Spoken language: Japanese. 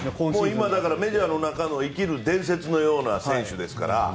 今、メジャーの中の生きる伝説のような選手ですから。